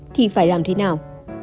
thì phải làm thế nào